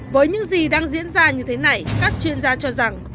với những gì đang diễn ra như thế này các chuyên gia cho rằng